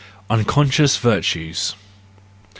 Unconscious Virtues .